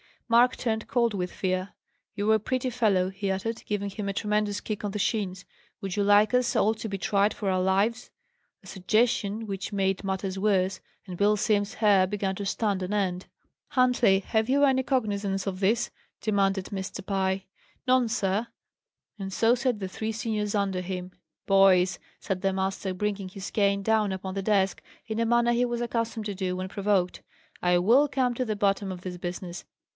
Mark turned cold with fear. "You're a pretty fellow!" he uttered, giving him a tremendous kick on the shins. "Would you like us all to be tried for our lives?" A suggestion which made matters worse; and Bill Simms's hair began to stand on end. "Huntley, have you any cognizance of this?" demanded Mr. Pye. "None, sir." And so said the three seniors under him. "Boys!" said the master, bringing his cane down upon the desk in a manner he was accustomed to do when provoked: "I will come to the bottom of this business.